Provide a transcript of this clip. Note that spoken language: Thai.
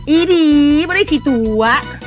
อีดีไม่ได้ชี้ตัว